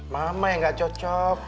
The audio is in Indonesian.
mama yang gak cocok